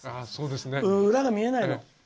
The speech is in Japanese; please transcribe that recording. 裏が見えないの。